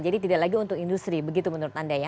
jadi tidak lagi untuk industri begitu menurut anda ya